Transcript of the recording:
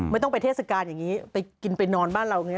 ไม่ต้องไปเทศกาลอย่างนี้ไปกินไปนอนบ้านเราอย่างนี้